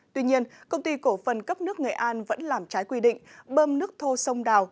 tuy nhiên công ty cổ phần cấp nước nghệ an vẫn làm trái quy định bơm nước thô sông đào